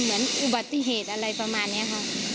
เหมือนอุบัติเหตุอะไรประมาณนี้ค่ะ